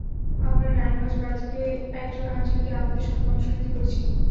আমরা নারায়ণগঞ্জ বার থেকে একজন আইনজীবীকে আমাদের সঙ্গে অংশ নিতে বলেছি।